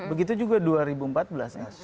begitu juga dua ribu empat belas ya